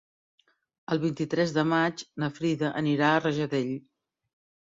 El vint-i-tres de maig na Frida anirà a Rajadell.